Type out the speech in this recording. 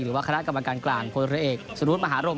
หรือว่าคณะกรรมการกลางพลเรือเอกสรุธมหารม